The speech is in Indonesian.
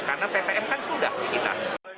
karena ppkm kan sudah di kita